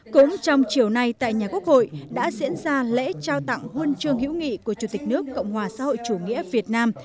cũng trong chiều nay tại nhà quốc hội đã diễn ra lễ trao tặng huân chương hữu nghị của chủ tịch nước cộng hòa xã hội chủ nghĩa việt nam